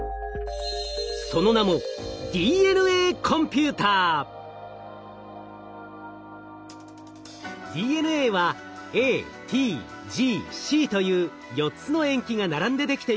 その名もＤＮＡはＡＴＧＣという４つの塩基が並んでできています。